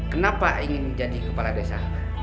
kenapa ingin menjadi kepala desa